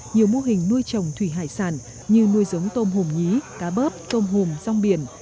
nhiều mô hình nuôi trồng thủy hải sản như nuôi giống tôm hùm nhí cá bớp tôm hùm rong biển